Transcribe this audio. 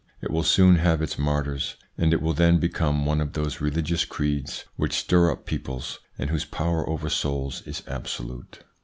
It will soon have its martyrs, and it will then become one of those religious creeds which stir up peoples, and whose power over souls is absolute.